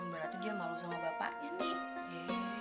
berarti dia malu sama bapaknya nih